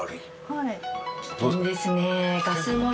はい。